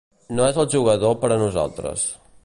No és el jugador per a nosaltres.